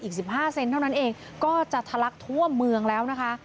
อีก๑๕เซนเท่านั้นเองก็จะทะลักทั่วเมืองแล้วนะคะ